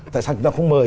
tại sao chúng ta không mời